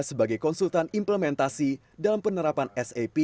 sebagai konsultan implementasi dalam penerapan sap